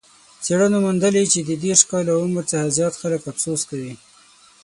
څېړنو موندلې چې د دېرش کاله عمر څخه زیات خلک افسوس کوي.